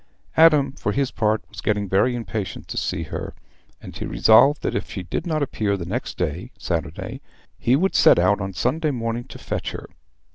Adam, for his part, was getting very impatient to see her, and he resolved that, if she did not appear the next day (Saturday), he would set out on Sunday morning to fetch her.